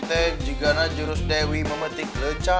nah ini juga jurus dewi memetik lecah